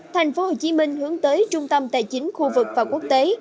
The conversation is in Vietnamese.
thành phố hồ chí minh hướng tới trung tâm tài chính khu vực và quốc tế